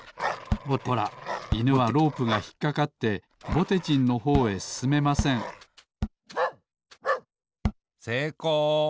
ほらいぬはロープがひっかかってぼてじんのほうへすすめませんせいこう。